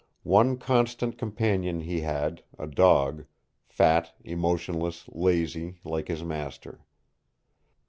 One constant companion he had, a dog, fat, emotionless, lazy, like his master.